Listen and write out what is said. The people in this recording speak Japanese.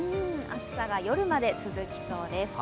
暑さが夜まで続きそうです。